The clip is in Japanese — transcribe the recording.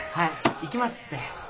行きますって。